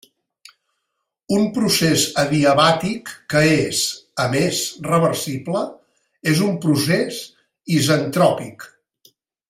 Un procés adiabàtic que és, a més, reversible, és un procés isentròpic.